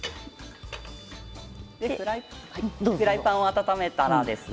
フライパンを温めたらですね